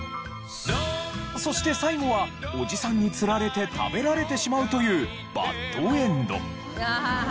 そして最後はおじさんに釣られて食べられてしまうというバッドエンド。